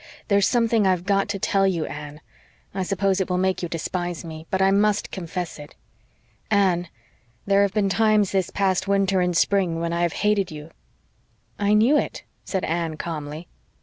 There's something I've GOT to tell you, Anne. I suppose it will make you despise me, but I MUST confess it. Anne, there have been times this past winter and spring when I have HATED you." "I KNEW it," said Anne calmly.